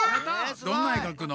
どんなえかくの？